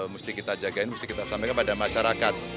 mesti kita jagain mesti kita sampaikan pada masyarakat